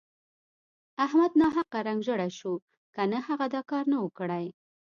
احمد ناحقه رنګ ژړی شو که نه هغه دا کار نه وو کړی.